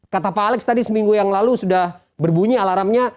kata pak alex tadi seminggu yang lalu sudah berbunyi alarmnya